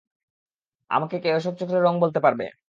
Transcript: আমাকে কে অশোক চক্রের রং বলতে পারবে?